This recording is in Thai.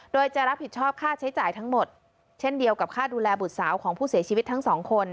โดยจะรับผิดชอบค่าใช้จ่ายทั้งหมดเช่นเดียวกับค่าดูแลบุตรสาวของผู้เสียชีวิตทั้งสองคน